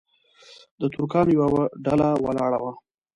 د ترکانو یوه ډله ولاړه وه.